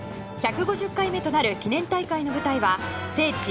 １５０回目となる記念大会の舞台は聖地